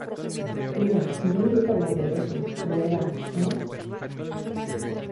Julia, yo no evito hablar del beso , de verdad ,¿ eh?